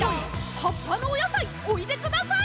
「」「葉っぱのお野菜おいでください！」